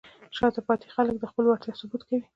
شاته پاتې خلک د خپلې وړتیا ثبوت کوي.